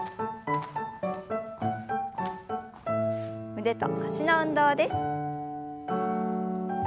腕と脚の運動です。